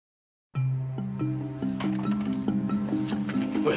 おい！